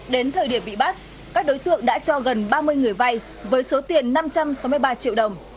đến thời điểm bị bắt các đối tượng đã cho gần ba mươi người vay với số tiền năm trăm sáu mươi ba triệu đồng